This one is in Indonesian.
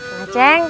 utangmu kan bang